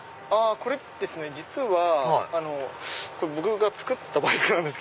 これ僕が造ったバイクなんです。